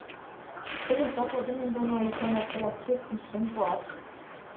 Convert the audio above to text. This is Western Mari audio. Тӹньӹм цаклыдымем доно икӓнӓк тӹлӓт честьӹм шӹм пуат